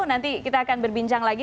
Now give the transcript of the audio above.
nanti kita akan berbincang lagi